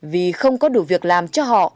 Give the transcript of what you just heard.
vì không có đủ việc làm cho họ